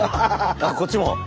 あこっちも。